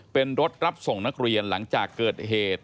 เป็นรถรับส่งนักเรียนหลังจากเกิดเหตุ